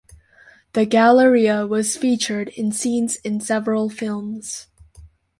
The Galleria was featured in scenes in several films.